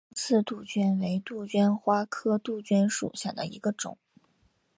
刚刺杜鹃为杜鹃花科杜鹃属下的一个种。